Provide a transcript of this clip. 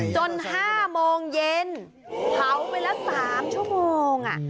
๕โมงเย็นเผาไปละ๓ชั่วโมง